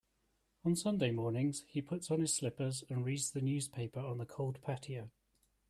On Sunday mornings, he puts on his slippers and reads the newspaper on the cold patio.